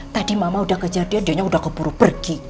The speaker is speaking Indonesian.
tadi mama udah kejar dia dia udah keburu pergi